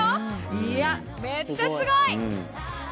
いやめっちゃすごい！